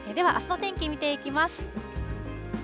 では、あすの天気見ていきます。